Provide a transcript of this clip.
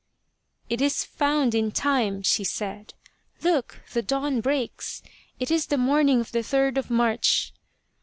" It is found in time !" she said. " Look, the dawn breaks ! It is the morning of the third of March